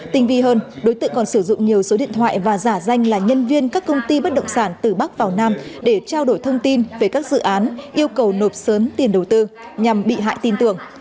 tinh vi hơn đối tượng còn sử dụng nhiều số điện thoại và giả danh là nhân viên các công ty bất động sản từ bắc vào nam để trao đổi thông tin về các dự án yêu cầu nộp sớm tiền đầu tư nhằm bị hại tin tưởng